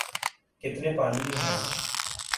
‘ کتنے پانی میں ہیں۔